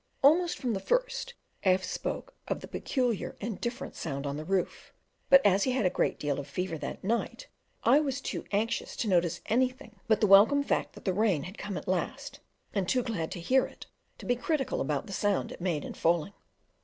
Almost from the first F spoke of the peculiar and different sound on the roof, but as he had a great deal of fever that night, I was too anxious to notice anything but the welcome fact that the rain had come at last, and too glad to hear it to be critical about the sound it made in falling.